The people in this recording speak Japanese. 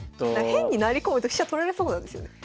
変に成り込むと飛車取られそうなんですよね。